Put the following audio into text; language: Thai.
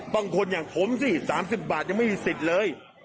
บางคนอย่างผมสิ๓๐บาทยังไม่มีสิทธิ์เลย